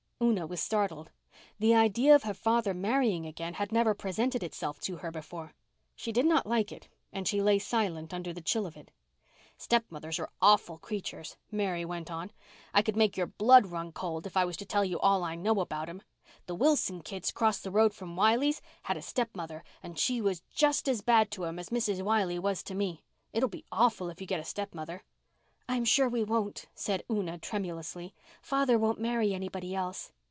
Una was startled. The idea of her father marrying again had never presented itself to her before. She did not like it and she lay silent under the chill of it. "Stepmothers are awful creatures," Mary went on. "I could make your blood run cold if I was to tell you all I know about 'em. The Wilson kids across the road from Wiley's had a stepmother. She was just as bad to 'em as Mrs. Wiley was to me. It'll be awful if you get a stepmother." "I'm sure we won't," said Una tremulously. "Father won't marry anybody else."